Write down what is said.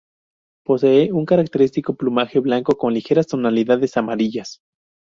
Posee un característico plumaje blanco con ligeras tonalidades amarillas.